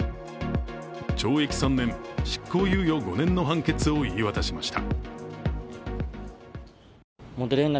懲役３年、執行猶予５年の判決を言い渡しました。